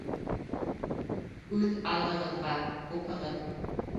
Үҙ алдығыҙға; уҡығыҙ